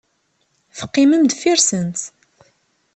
Teqqimem deffir-nsent.